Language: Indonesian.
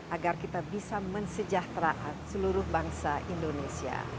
agar kita bisa mensejahteraan seluruh bangsa indonesia